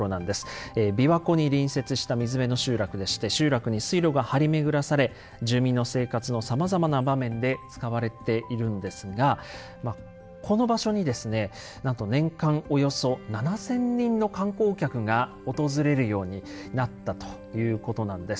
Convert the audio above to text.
琵琶湖に隣接した水辺の集落でして集落に水路が張り巡らされ住民の生活のさまざまな場面で使われているんですがこの場所になんと年間およそ７，０００人の観光客が訪れるようになったということなんです。